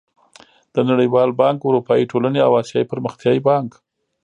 د نړېوال بانک، اروپايي ټولنې او اسيايي پرمختيايي بانک